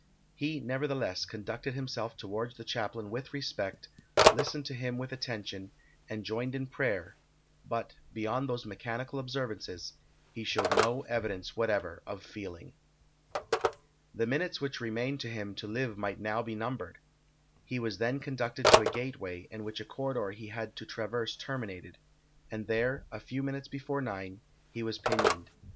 He, nevertheless, conducted himself towards the chaplain with respect, listened to him with attention, and joined in prayer; but, beyond those mechanical observances, he showed no evidence whatever of feeling. The minutes which remained to him to live might now be numbered. He was then conducted to a gateway; in which a corridor he had to traverse terminated, and there, a few minutes before nine, he was pinioned.